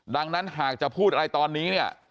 ดังนั้นหากจะพูดอะไรตอนนี้เนี่ย